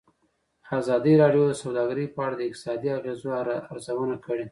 ازادي راډیو د سوداګري په اړه د اقتصادي اغېزو ارزونه کړې.